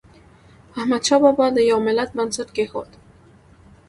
احمد شاه بابا د یو ملت بنسټ کېښود.